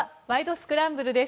スクランブル」です。